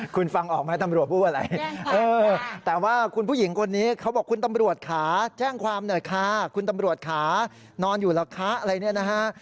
คุณฟังออกไหมตำรวจพูดอะไรแต่ว่าคุณผู้หญิงคนนี้เขาบอกคุณตำรวจค่ะแจ้งความหน่อยค่ะคุณตำรวจค่ะนอนอยู่เหรอคะอะไรเนี่ยนะฮะ